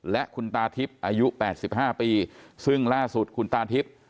และคุณตาทิพย์อายุ๘๕ปีซึ่งล่าสุดคุณตาทิพย์